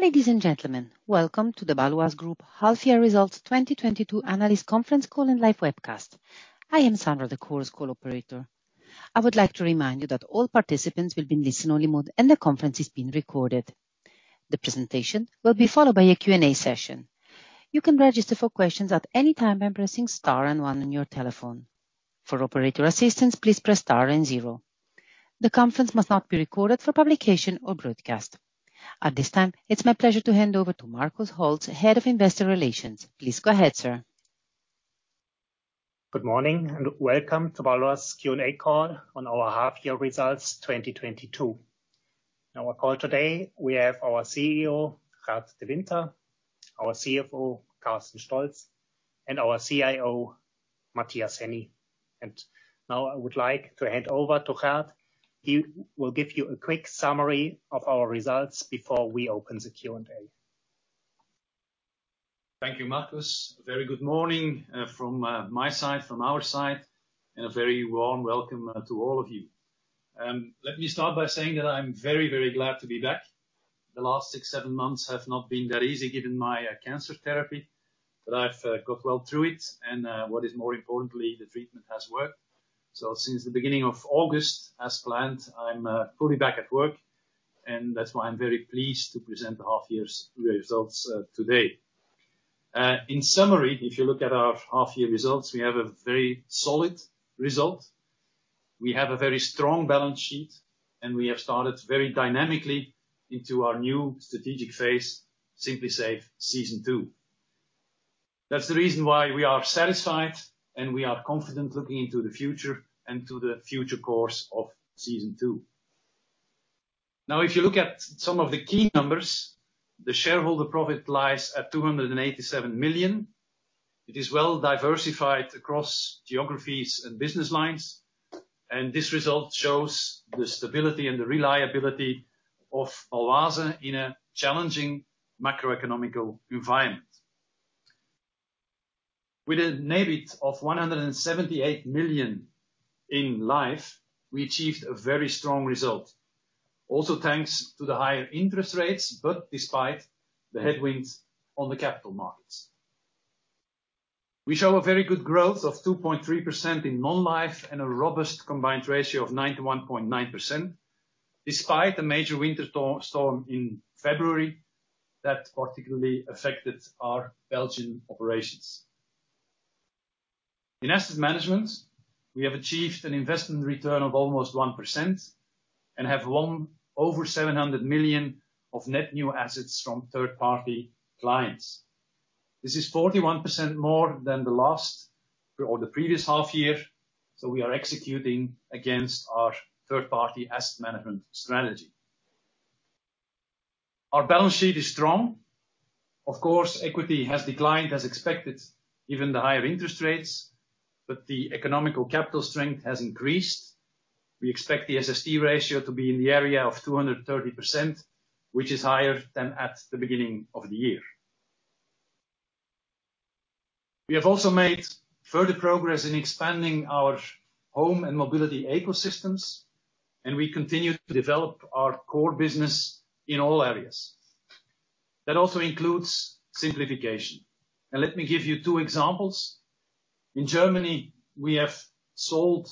Ladies and gentlemen, welcome to the Baloise Group Half Year Results 2022 analyst conference call and live webcast. I am Sandra, the Chorus Call operator. I would like to remind you that all participants will be in listen only mode and the conference is being recorded. The presentation will be followed by a Q&A session. You can register for questions at any time by pressing star and one on your telephone. For operator assistance, please press star and zero. The conference must not be recorded for publication or broadcast. At this time, it's my pleasure to hand over to Markus Holtz, Head of Investor Relations, please go ahead sir. Good morning, and welcome to Baloise Q&A call on our half-year results 2022. On our call today we have our CEO, Gert De Winter, our CFO, Carsten Stolz, and our CIO, Matthias Henny. Now I would like to hand over to Gert. He will give you a quick summary of our results before we open the Q&A. Thank you, Markus. Very good morning from my side, from our side, and a very warm welcome to all of you. Let me start by saying that I'm very, very glad to be back. The last six, seven months have not been that easy given my cancer therapy, but I've got well through it. What is more importantly, the treatment has worked. Since the beginning of August, as planned, I'm fully back at work, and that's why I'm very pleased to present the half year's results today. In summary, if you look at our half year results, we have a very solid result. We have a very strong balance sheet, and we have started very dynamically into our new strategic phase, Simply Safe: Season 2. That's the reason why we are satisfied and we are confident looking into the future and to the future course of season two. Now if you look at some of the key numbers, the shareholder profit lies at 287 million. It is well diversified across geographies and business lines. This result shows the stability and the reliability of Baloise in a challenging macroeconomic environment. With an EBIT of 178 million in life, we achieved a very strong result. Also thanks to the higher interest rates, but despite the headwinds on the capital markets. We show a very good growth of 2.3% in non-life and a robust combined ratio of 91.9%, despite a major winter storm in February that particularly affected our Belgian operations. In asset management, we have achieved an investment return of almost 1% and have won over 700 million of net new assets from third-party clients. This is 41% more than the last or the previous half year, so we are executing against our third-party asset management strategy. Our balance sheet is strong. Of course, equity has declined as expected, given the higher interest rates, but the economic capital strength has increased. We expect the SST ratio to be in the area of 230%, which is higher than at the beginning of the year. We have also made further progress in expanding our home and mobility ecosystems, and we continue to develop our core business in all areas. That also includes simplification. Let me give you two examples. In Germany, we have sold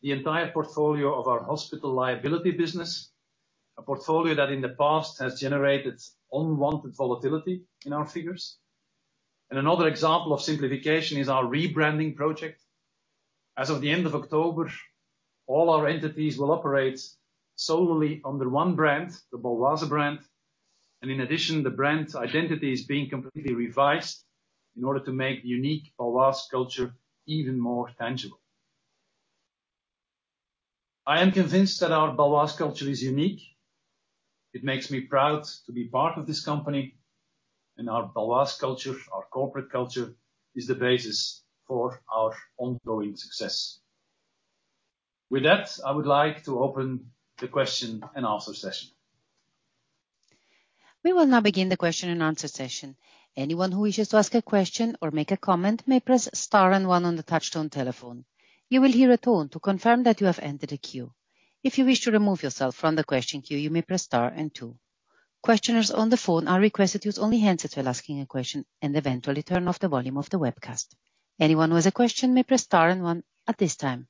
the entire portfolio of our hospital liability business, a portfolio that in the past has generated unwanted volatility in our figures. Another example of simplification is our rebranding project. As of the end of October, all our entities will operate solely under one brand, the Baloise brand. In addition, the brand identity is being completely revised in order to make unique Baloise culture even more tangible. I am convinced that our Baloise culture is unique. It makes me proud to be part of this company and our Baloise culture, our corporate culture, is the basis for our ongoing success. With that, I would like to open the question and answer session. We will now begin the question and answer session. Anyone who wishes to ask a question or make a comment may press star and one on the touchtone telephone. You will hear a tone to confirm that you have entered a queue. If you wish to remove yourself from the question queue, you may press star and two. Questioners on the phone are requested to use only the handset if you're asking a question and to turn off the volume of the webcast. Anyone who has a question may press star and one at this time.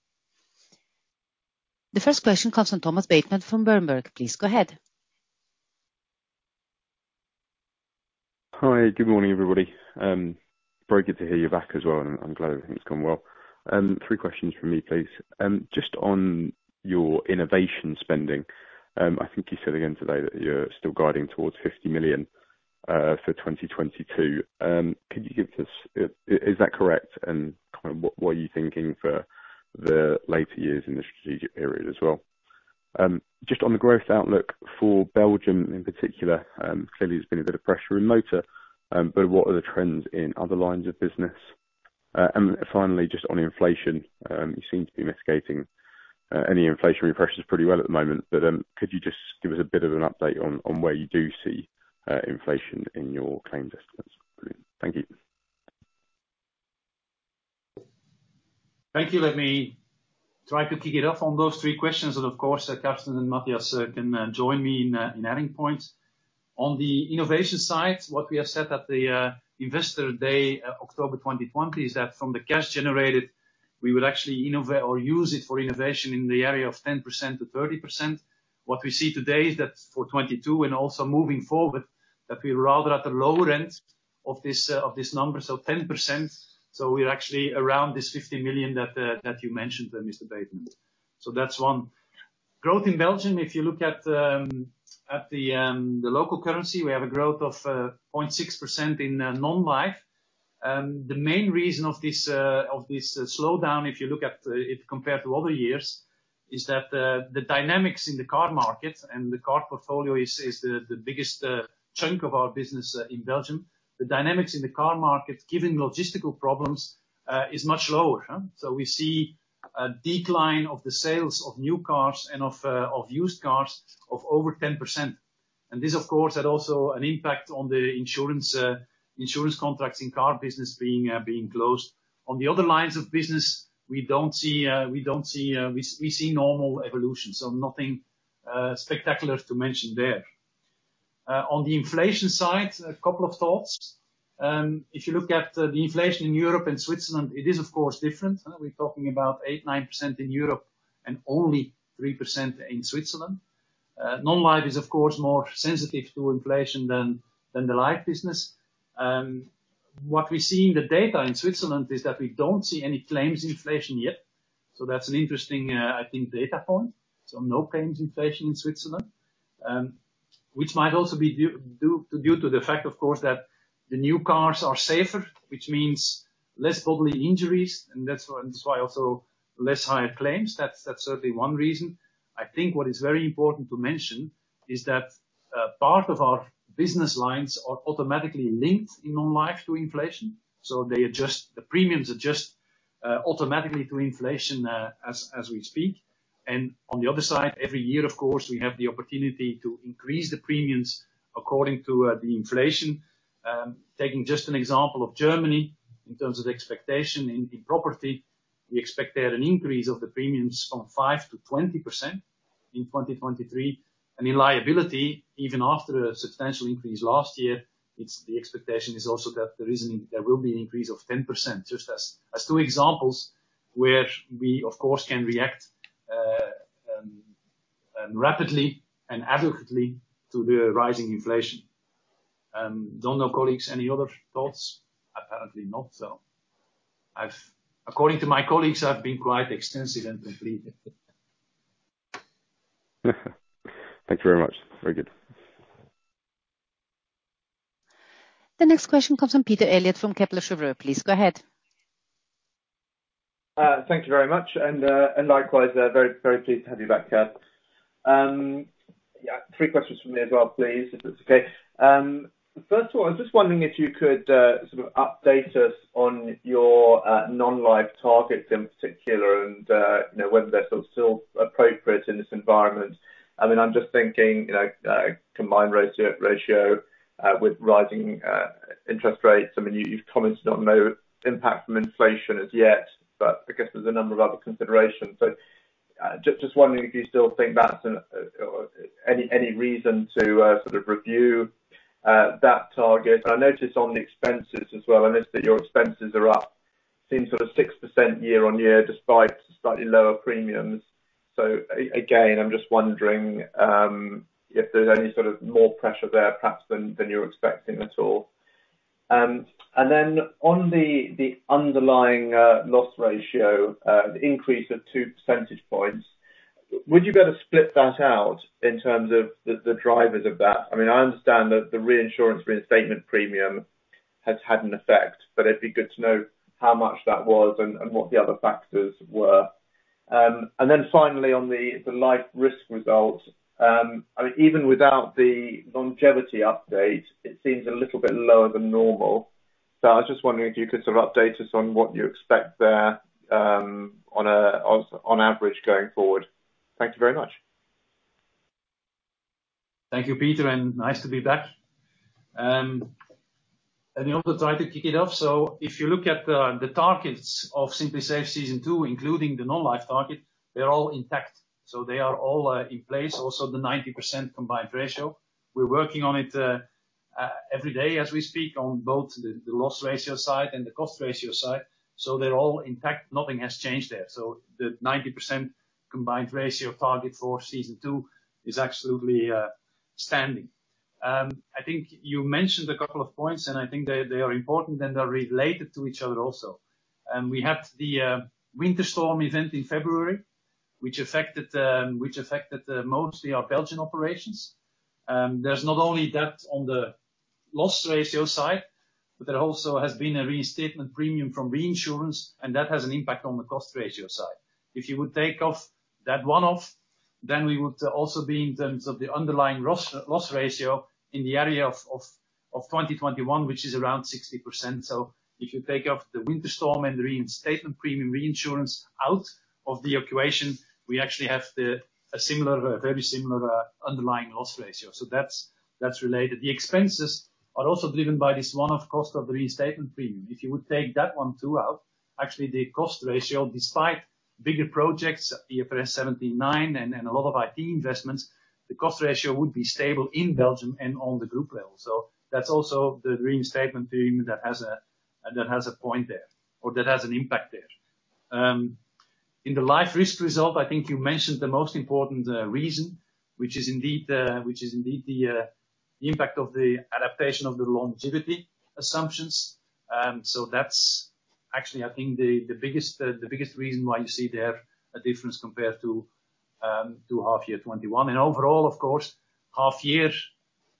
The first question comes from Thomas Bateman from Berenberg, please go ahead. Hi. Good morning, everybody. Very good to hear you're back as well, and I'm glad everything's gone well. Three questions from me, please. Just on your innovation spending, I think you said again today that you're still guiding towards 50 million for 2022. Is that correct, and kind of what are you thinking for the later years in the strategic period as well? Just on the growth outlook for Belgium in particular, clearly there's been a bit of pressure in motor, but what are the trends in other lines of business? Finally, just on inflation, you seem to be mitigating any inflationary pressures pretty well at the moment, but could you just give us a bit of an update on where you do see inflation in your claims estimates? Thank you. Thank you. Let me try to kick it off on those three questions, and of course, Carsten and Matthias can join me in adding points. On the innovation side, what we have said at the investor day, October 2020, is that from the cash generated, we will actually or use it for innovation in the area of 10%-30%. What we see today is that for 2022 and also moving forward, that we're rather at the lower end of this number, so 10%. So we're actually around this 50 million that you mentioned there, Mr. Bateman. So that's one. Growth in Belgium, if you look at the local currency, we have a growth of 0.6% in non-life. The main reason of this slowdown, if you look at it compared to other years, is that the dynamics in the car market and the car portfolio is the biggest chunk of our business in Belgium. The dynamics in the car market, given logistical problems, is much lower. We see a decline of the sales of new cars and of used cars of over 10%. This of course had also an impact on the insurance contracts in car business being closed. On the other lines of business, we see normal evolution, so nothing spectacular to mention there. On the inflation side, a couple of thoughts. If you look at the inflation in Europe and Switzerland, it is of course different. We're talking about 8%-9% in Europe and only 3% in Switzerland. Non-life is of course more sensitive to inflation than the life business. What we see in the data in Switzerland is that we don't see any claims inflation yet. That's an interesting, I think, data point. No claims inflation in Switzerland, which might also be due to the fact of course, that the new cars are safer, which means less bodily injuries, and that's why also less higher claims. That's certainly one reason. I think what is very important to mention is that part of our business lines are automatically linked in non-life to inflation, so they adjust, the premiums adjust automatically to inflation as we speak. On the other side, every year of course, we have the opportunity to increase the premiums according to the inflation. Taking just an example of Germany in terms of expectation in property, we expect there an increase of the premiums from 5%-20% in 2023. In liability, even after a substantial increase last year, it's the expectation also that there will be an increase of 10%. Just as two examples where we of course can react rapidly and adequately to the rising inflation. Don't know, colleagues, any other thoughts? Apparently not. According to my colleagues, I've been quite extensive and complete. Thank you very much. Very good. The next question comes from Peter Eliot from Kepler Cheuvreux, please go ahead. Thank you very much. Likewise, very pleased to have you back, Gert. Yeah, three questions from me as well, please, if that's okay. First of all, I was just wondering if you could sort of update us on your non-life targets in particular and you know, whether they're sort of still appropriate in this environment. I mean, I'm just thinking, you know, combined ratio with rising interest rates. I mean, you've commented on no impact from inflation as yet, but I guess there's a number of other considerations. Just wondering if you still think that's any reason to sort of review that target. I noticed on the expenses as well. I noticed that your expenses are up, I think sort of 6% year-on-year, despite slightly lower premiums. Again, I'm just wondering if there's any sort of more pressure there perhaps than you're expecting at all. Then on the underlying loss ratio, the increase of two percentage points, would you be able to split that out in terms of the drivers of that? I mean, I understand that the reinsurance reinstatement premium has had an effect, but it'd be good to know how much that was and what the other factors were. Then finally on the life risk result, I mean, even without the longevity update, it seems a little bit lower than normal. I was just wondering if you could sort of update us on what you expect there, on average going forward. Thank you very much. Thank you, Peter, and nice to be back. Let me also try to kick it off. If you look at the targets of Simply Safe: Season 2, including the non-life target, they're all intact. They are all in place. Also, the 90% combined ratio, we're working on it every day as we speak on both the loss ratio side and the cost ratio side. They're all intact. Nothing has changed there. The 90% combined ratio target for Season 2 is absolutely standing. I think you mentioned a couple of points, and I think they are important, and they're related to each other also. We had the winter storm event in February, which affected mostly our Belgian operations. There's not only that on the loss ratio side, but there also has been a reinstatement premium from reinsurance, and that has an impact on the cost ratio side. If you would take off that one-off, then we would also be in terms of the underlying loss ratio in the area of 2021, which is around 60%. If you take out the winter storm and the reinstatement premium reinsurance out of the equation, we actually have a similar, very similar, underlying loss ratio. That's related. The expenses are also driven by this one-off cost of the reinstatement premium. If you would take that one too out, actually the cost ratio, despite Bigger projects, IFRS 17, and a lot of IT investments, the cost ratio would be stable in Belgium and on the group level. That's also the reinsurance team that has a point there or that has an impact there. In the life risk result, I think you mentioned the most important reason, which is indeed the impact of the adaptation of the longevity assumptions. That's actually I think the biggest reason why you see there a difference compared to half year 2021. Overall, of course, half year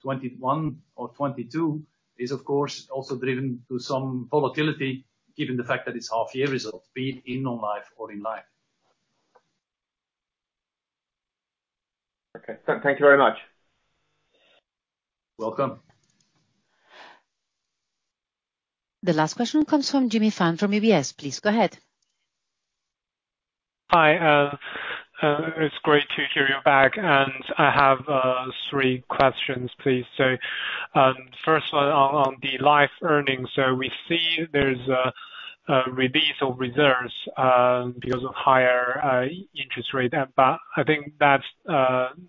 2021 or 2022 is of course also driven to some volatility given the fact that it's half year results, be it in non-life or in life. Okay. Thank you very much. Welcome. The last question comes from Jimmy Fan from UBS. Please go ahead. Hi. It's great to hear you back, and I have three questions, please. First one on the life earnings. We see there's a release of reserves because of higher interest rate. I think that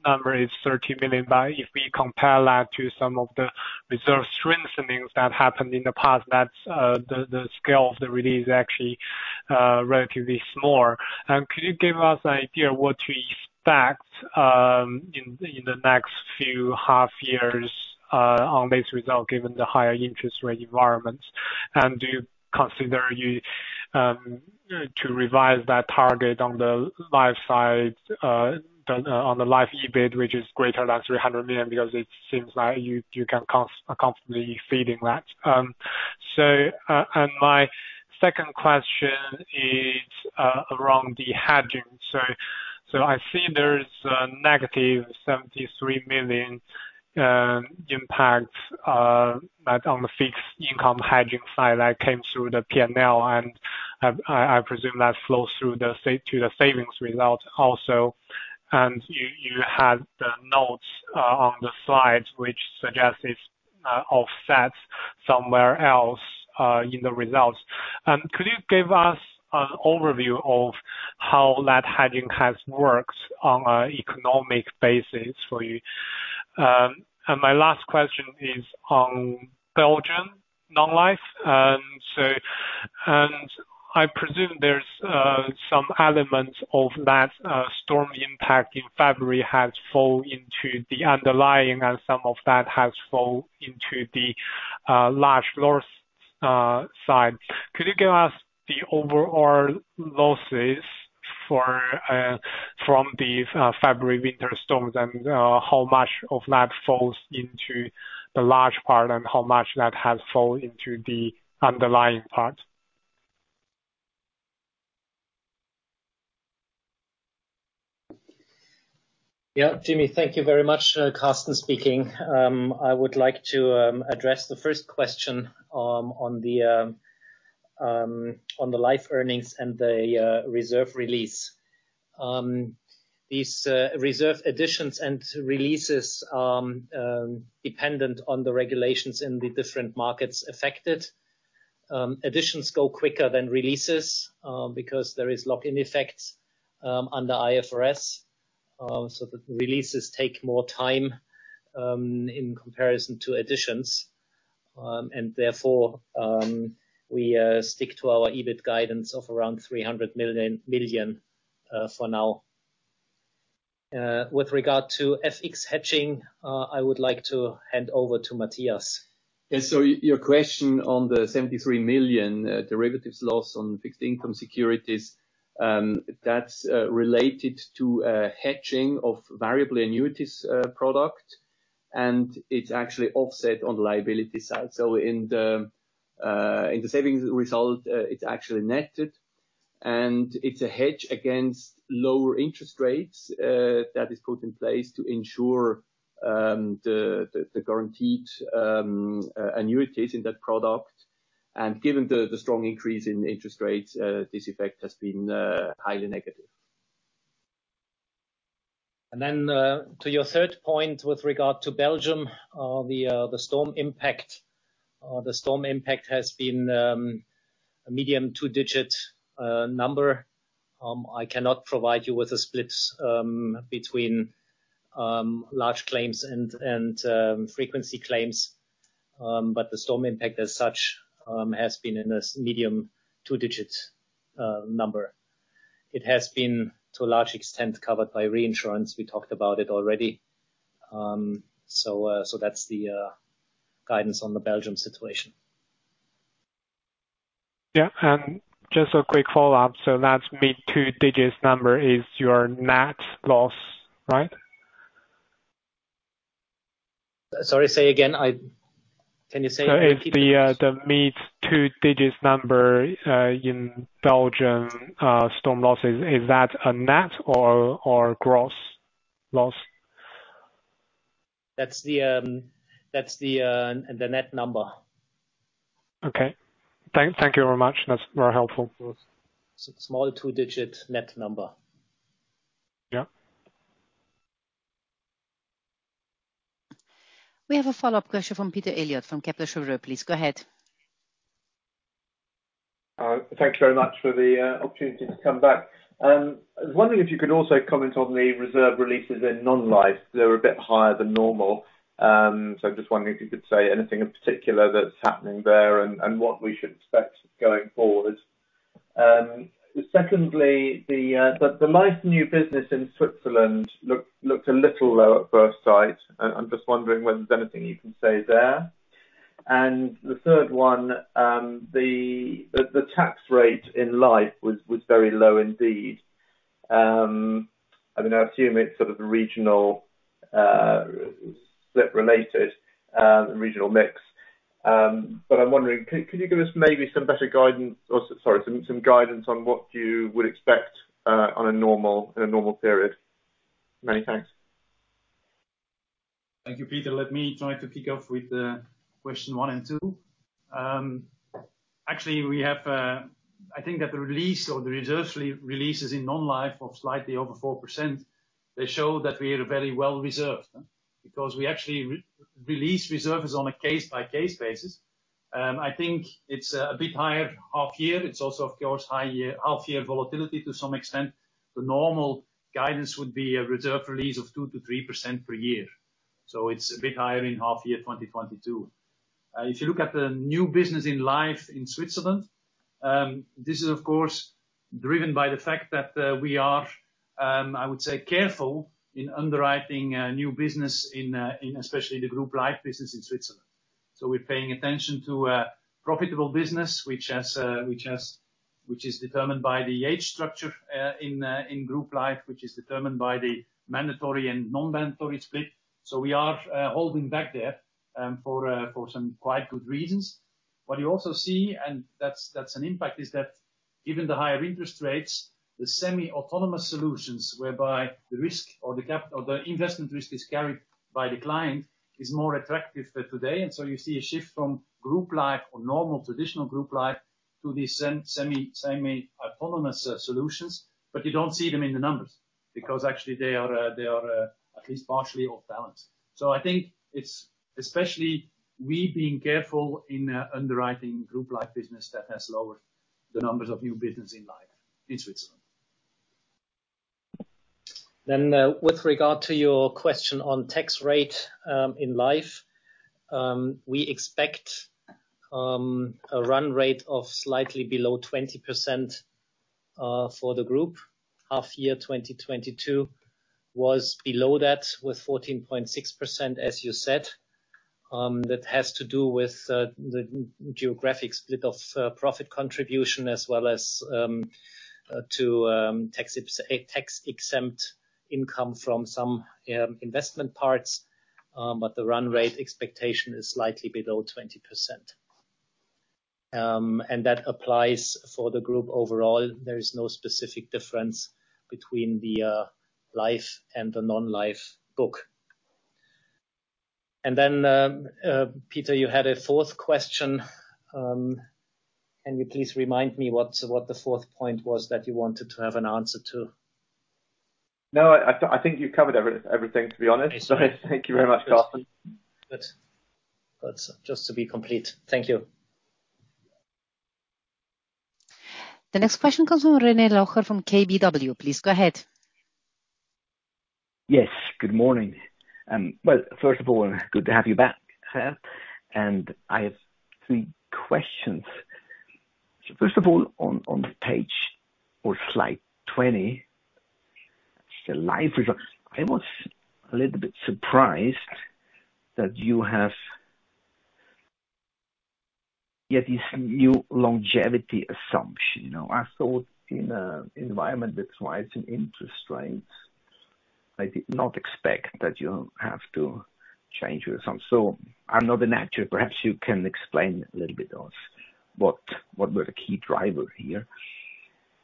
number is 30 million. If we compare that to some of the reserve strengthenings that happened in the past, that's the scale of the release is actually relatively small. Could you give us an idea what to expect in the next few half years on this result given the higher interest rate environment? Do you consider to revise that target on the life side, on the life EBIT, which is greater than 300 million, because it seems like you can comfortably exceed that. My second question is around the hedging. I see there's a -73 million impact like on the fixed income hedging side that came through the PNL, and I presume that flows through to the savings result also. You had the notes on the side which suggests it's offsets somewhere else in the results. Could you give us an overview of how that hedging has worked on an economic basis for you? My last question is on Belgium non-life. I presume there's some elements of that storm impact in February has fallen into the underlying and some of that has fallen into the large loss side. Could you give us the overall losses from the February winter storms and how much of that falls into the large part and how much that has fallen into the underlying part? Yeah. Jimmy, thank you very much. Carsten speaking. I would like to address the first question on the life earnings and the reserve release. These reserve additions and releases are dependent on the regulations in the different markets affected. Additions go quicker than releases because there is lock-in effects under IFRS. So the releases take more time in comparison to additions. Therefore, we stick to our EBIT guidance of around 300 million for now. With regard to FX hedging, I would like to hand over to Matthias. Yeah. Your question on the 73 million derivatives loss on fixed income securities, that's related to hedging of variable annuities product, and it's actually offset on the liability side. In the savings result, it's actually netted, and it's a hedge against lower interest rates that is put in place to ensure the guaranteed annuities in that product. Given the strong increase in interest rates, this effect has been highly negative. To your third point with regard to Belgium, the storm impact has been a medium two-digit number. I cannot provide you with the splits between large claims and frequency claims. The storm impact as such has been in a medium two-digit number. It has been to a large extent covered by reinsurance. We talked about it already. That's the guidance on the Belgium situation. Yeah. Just a quick follow-up. That mid-two digits number is your net loss, right? Sorry, say again. Can you say it again please? If the mid-two digits number in Belgium storm losses is that a net or gross loss? That's the net number. Okay. Thank you very much. That's very helpful for us. It's a small two-digit net number. Yeah. We have a follow-up question from Peter Eliot from Kepler Cheuvreux, please go ahead. Thank you very much for the opportunity to come back. I was wondering if you could also comment on the reserve releases in non-life. They were a bit higher than normal, so I'm just wondering if you could say anything in particular that's happening there and what we should expect going forward. Secondly, the life new business in Switzerland looked a little low at first sight. I'm just wondering whether there's anything you can say there. The third one, the tax rate in life was very low indeed. I mean, I assume it's sort of regional split related regional mix. I'm wondering, can you give us maybe some better guidance, sorry, some guidance on what you would expect in a normal period? Many thanks. Thank you, Peter. Let me try to kick off with question one and two. Actually, we have I think that the release or the reserve releases in non-life of slightly over 4%, they show that we are very well reserved. Because we actually re-release reserves on a case-by-case basis. I think it's a bit higher half year. It's also, of course, higher half-year volatility to some extent. The normal guidance would be a reserve release of 2%-3% per year. It's a bit higher in half year 2022. If you look at the new business in Life in Switzerland, this is of course driven by the fact that we are I would say careful in underwriting new business in especially the Group Life business in Switzerland. We're paying attention to profitable business, which is determined by the age structure in Group Life, which is determined by the mandatory and non-mandatory split. We're holding back there for some quite good reasons. What you also see, and that's an impact, is that given the higher interest rates, the semi-autonomous solutions, whereby the risk or the investment risk is carried by the client, is more attractive for today. You see a shift from Group Life or normal traditional Group Life to these semi-autonomous solutions. You don't see them in the numbers because actually they are at least partially off balance. I think it's especially we being careful in underwriting Group Life business that has lowered the numbers of new business in Life in Switzerland. With regard to your question on tax rate, in Life, we expect a run rate of slightly below 20% for the group. Half year 2022 was below that with 14.6%, as you said. That has to do with the geographic split of profit contribution as well as tax-exempt income from some investment parts. But the run rate expectation is slightly below 20%. That applies for the group overall. There is no specific difference between the Life and the non-Life book. Peter, you had a fourth question. Can you please remind me what the fourth point was that you wanted to have an answer to? No, I think you covered everything, to be honest. Okay. Thank you very much, Gert De Winter. Good. That's just to be complete. Thank you. The next question comes from René Locher from KBW. Please go ahead. Yes. Good morning. Well, first of all, good to have you back, sir. I have three questions. First of all, on page or slide 20, the life results, I was a little bit surprised that you have yet this new longevity assumption. You know, I thought in an environment with rising interest rates, I did not expect that you have to change your assumption. I'm not an actuary. Perhaps you can explain a little bit of what were the key drivers here.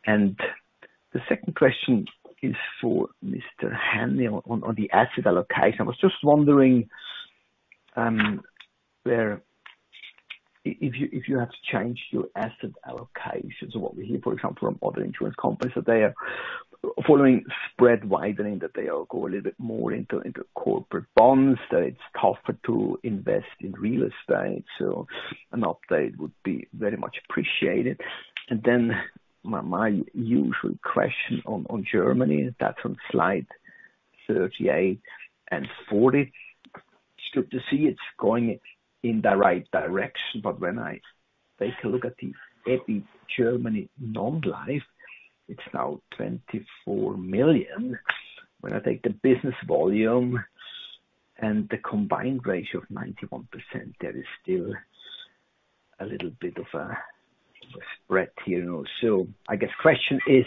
The second question is for Mr. Henny on the asset allocation. I was just wondering, where if you have changed your asset allocations. What we hear, for example, from other insurance companies, that they are following spread widening, that they all go a little bit more into corporate bonds, that it's tougher to invest in real estate. An update would be very much appreciated. Then my usual question on Germany, that's on slide 38 and 40. It's good to see it's going in the right direction. When I take a look at the EPI Germany non-Life, it's now 24 million. When I take the business volume and the combined ratio of 91%, there is still a little bit of a spread here, you know. I guess question is: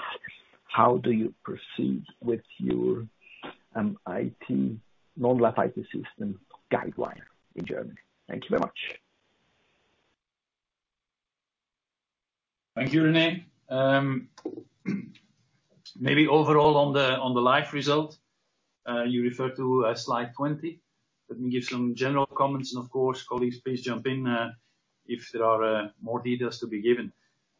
How do you proceed with your IT non-Life IT system Guidewire in Germany? Thank you very much. Thank you, René. Maybe overall on the Life result, you referred to slide 20. Let me give some general comments and of course, colleagues, please jump in if there are more details to be given.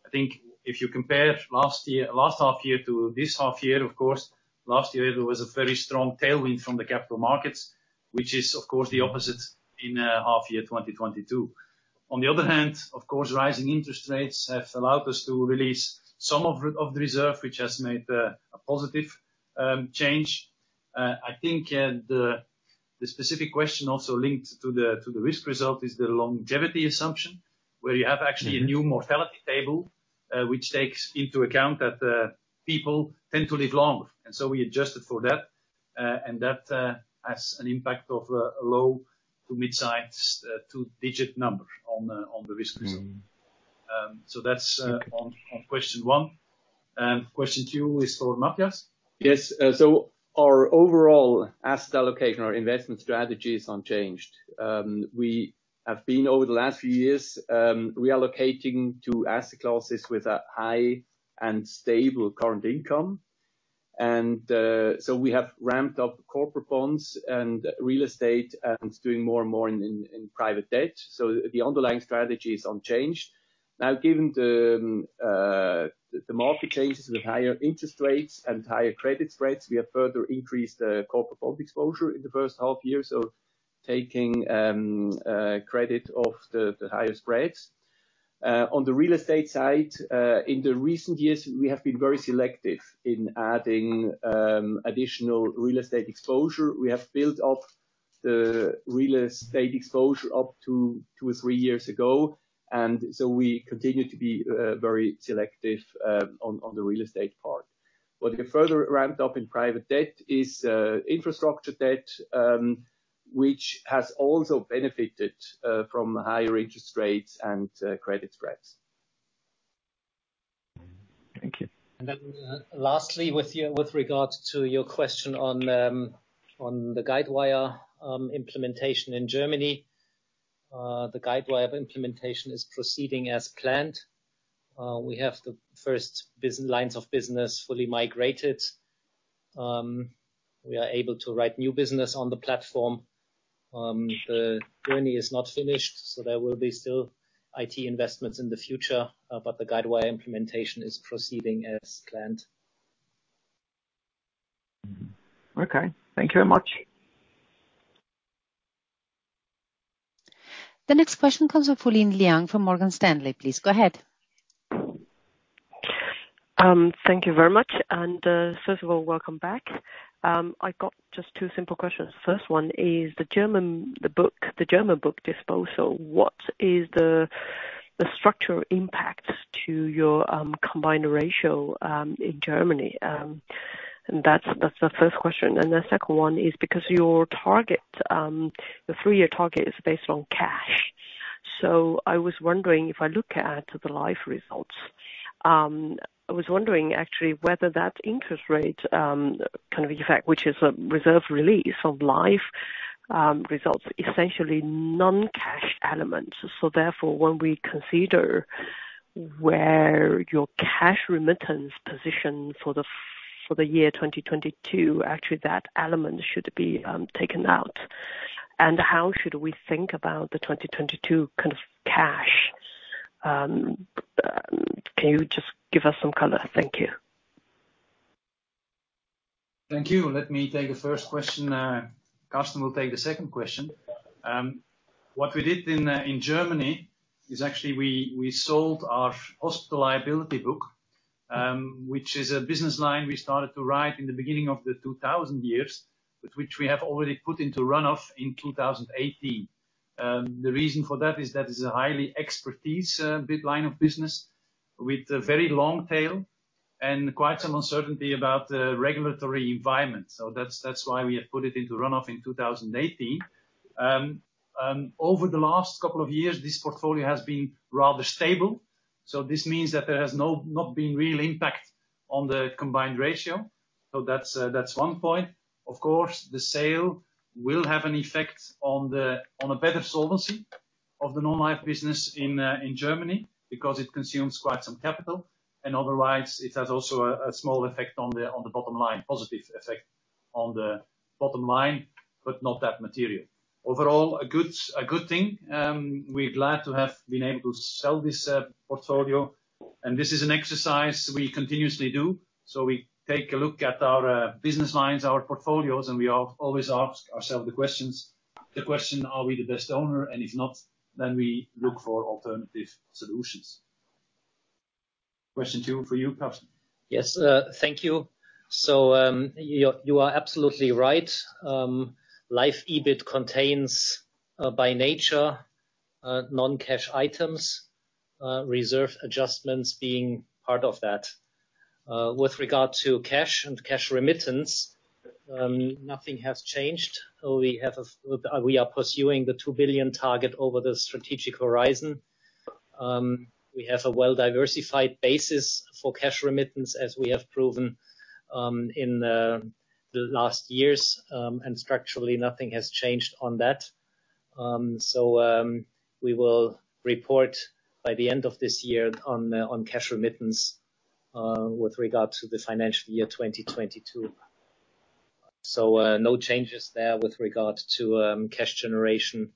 I think if you compare last year last half year to this half year, of course, last year it was a very strong tailwind from the capital markets, which is of course the opposite in half year 2022. On the other hand, of course, rising interest rates have allowed us to release some of the reserve, which has made a positive change. I think the specific question also linked to the risk result is the longevity assumption, where you have actually a new mortality table which takes into account that people tend to live longer. We adjusted for that, and that has an impact of a low to mid-size two-digit number on the risk result. That's on question one. Question two is for Matthias. Yes. Our overall asset allocation, our investment strategy is unchanged. We have been over the last few years, reallocating to asset classes with a high and stable current income. We have ramped up corporate bonds and real estate and doing more and more in private debt. The underlying strategy is unchanged. Now, given the market changes with higher interest rates and higher credit spreads, we have further increased the corporate bond exposure in the first half year, so taking credit off the higher spreads. On the real estate side, in the recent years, we have been very selective in adding additional real estate exposure. We have built up the real estate exposure up to two or three years ago, and so we continue to be very selective on the real estate part. What we further ramped up in private debt is infrastructure debt, which has also benefited from higher interest rates and credit spreads. Thank you. Lastly, with regards to your question on the Guidewire implementation in Germany. The Guidewire implementation is proceeding as planned. We have the first business lines of business fully migrated. We are able to write new business on the platform. The journey is not finished, so there will be still IT investments in the future, but the Guidewire implementation is proceeding as planned. Okay. Thank you very much. The next question comes from Fulin Liang from Morgan Stanley, please go ahead. Thank you very much. First of all, welcome back. I got just two simple questions. First one is the German book disposal. What is the structural impact to your combined ratio in Germany? That's the first question. The second one is because your three-year target is based on cash. I was wondering if I look at the life results. I was wondering actually whether that interest rate kind of effect, which is a reserve release of life results, essentially non-cash elements. Therefore when we consider your cash remittance position for the year 2022, actually that element should be taken out. How should we think about the 2022 kind of cash? Can you just give us some color? Thank you. Thank you. Let me take the first question. Carsten will take the second question. What we did in Germany is actually we sold our hospital liability book, which is a business line we started to write in the beginning of the 2000s, but which we have already put into run-off in 2018. The reason for that is it is a high-expertise business line of business with a very long tail and quite some uncertainty about the regulatory environment. That's why we have put it into run-off in 2018. Over the last couple of years, this portfolio has been rather stable. This means that there has not been real impact on the combined ratio. That's one point. Of course, the sale will have an effect on a better solvency of the non-life business in Germany because it consumes quite some capital. Otherwise it has also a small effect on the bottom line, positive effect on the bottom line, but not that material. Overall, a good thing. We're glad to have been able to sell this portfolio. This is an exercise we continuously do. We take a look at our business lines, our portfolios, and we always ask ourselves the question, are we the best owner? If not, then we look for alternative solutions. Question two for you, Carsten. Yes, thank you. You are absolutely right. Life EBIT contains, by nature, non-cash items, reserve adjustments being part of that. With regard to cash and cash remittance, nothing has changed. We are pursuing the two billion target over the strategic horizon. We have a well-diversified basis for cash remittance, as we have proven in the last years, and structurally nothing has changed on that. We will report by the end of this year on cash remittance with regard to the financial year 2022. No changes there with regard to cash generation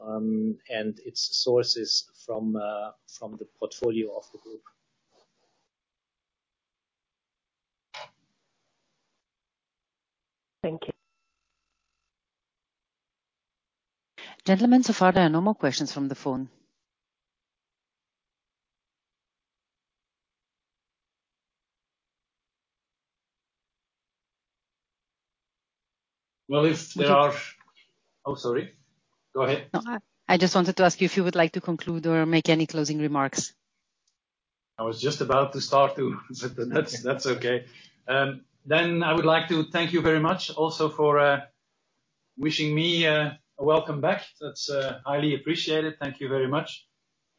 and its sources from the portfolio of the group. Thank you. Gentlemen, so far there are no more questions from the phone. Well, if there are Just a- Oh, sorry. Go ahead. No. I just wanted to ask you if you would like to conclude or make any closing remarks. I was just about to start to. That's okay. I would like to thank you very much also for wishing me a welcome back. That's highly appreciated. Thank you very much.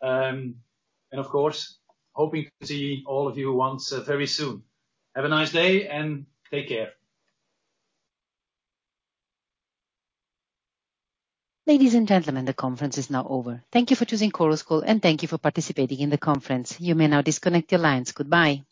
Of course, hoping to see all of you once very soon. Have a nice day, and take care. Ladies and gentlemen, the conference is now over. Thank you for choosing Chorus Call, and thank you for participating in the conference. You may now disconnect your lines. Goodbye.